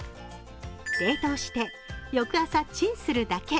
冷凍して翌朝チンするだけ。